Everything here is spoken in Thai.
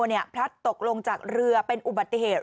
พลัดตกลงจากเรือเป็นอุบัติเหตุ